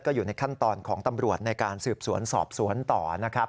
อยู่ในขั้นตอนของตำรวจในการสืบสวนสอบสวนต่อนะครับ